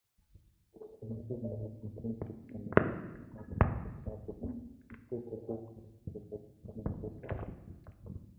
Шагналыг мөрөөднө, түүнийхээ төлөө муудалцах, сайдалцах, лоббидох, дээшээ гүйх харайх зэргээр цаг наргүй хөөцөлдөнө.